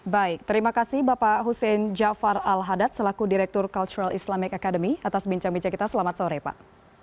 baik terima kasih bapak hussein jafar al hadad selaku direktur cultural islamic academy atas bincang bincang kita selamat sore pak